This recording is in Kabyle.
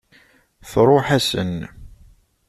Tṛuḥ-asen.